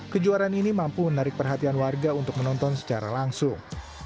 kejuaraan ini mampu menarik perhatian warga untuk menonton secara langsung